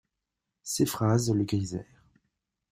Ses phrases le grisèrent.